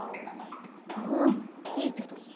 うんいいけど。